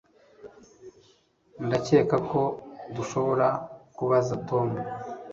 Ndakeka ko dushobora kubaza Tom